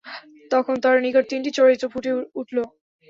তখন তাঁর নিকট তিনটি চরিত্র ফুটে উঠল।